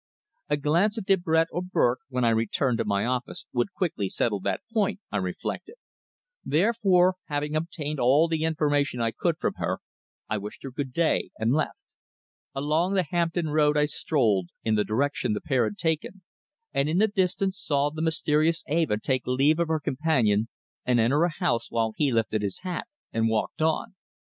A glance at Debrett or Burke when I returned to my office would quickly settle that point, I reflected; therefore, having obtained all the information I could from her I wished her good day, and left. Along the Hampton Road I strolled in the direction the pair had taken, and in the distance saw the mysterious Eva take leave of her companion and enter a house, while he lifted his hat and walked on.